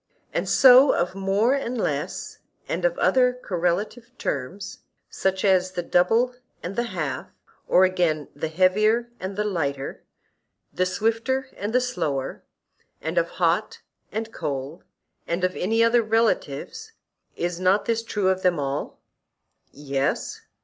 And so of more and less, and of other correlative terms, such as the double and the half, or again, the heavier and the lighter, the swifter and the slower; and of hot and cold, and of any other relatives;—is not this true of all of them? Yes.